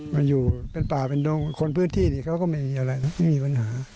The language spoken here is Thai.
มาอยู่เป็นป่าเป็นดงคนพื้นที่นี่ก็ไม่มีปัญหา